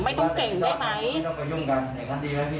ไม่ต้องเก่งได้ไหมไม่ต้องไปยุ่งกันอย่างนั้นดีครับพี่